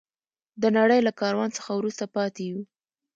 د نړۍ له کاروان څخه وروسته پاتې یو.